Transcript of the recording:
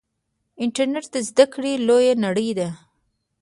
انټرنیټ د زده کړې لویه نړۍ ده.